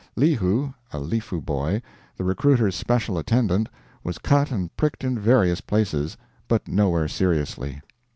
Lihu, a Lifu boy, the recruiter's special attendant, was cut and pricked in various places, but nowhere seriously.